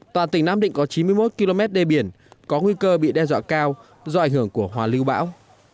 toàn tỉnh nam định có chín mươi một km đê biển có nguy cơ bị đe dọa cao do ảnh hưởng của hòa lưu bão